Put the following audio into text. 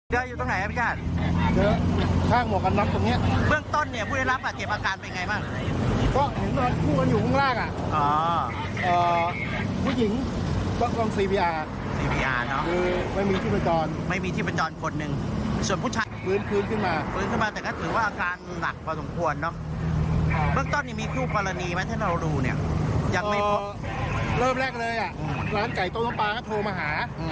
เริ่มแรกเลยร้านไก่ต้มปลาก็โทรมาหา